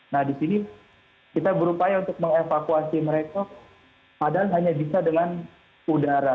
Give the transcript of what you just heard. nah di sini kita berupaya untuk mengevakuasi mereka padahal hanya bisa dengan udara